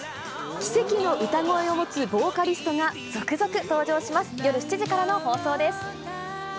奇跡の歌声を持つボーカリストが続々登場します。